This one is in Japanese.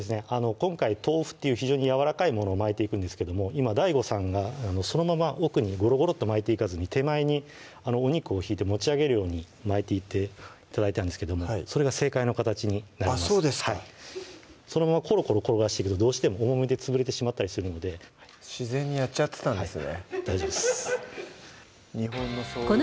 今回豆腐っていう非常にやわらかいものを巻いていくんですけども今ＤＡＩＧＯさんがそのまま奥にゴロゴロと巻いていかずに手前にお肉を引いて持ち上げるように巻いていって頂いたんですけどもそれが正解の形になりますそうですかそのままコロコロ転がしていくとどうしても重みで潰れてしまったりするので自然にやっちゃってたんですね